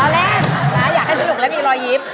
แล้วอยากให้พลิกล่ามีรอยยิ้ม